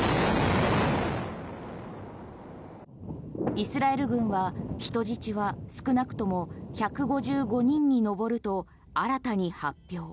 イスラエル軍は人質は少なくとも１５５人に上ると新たに発表。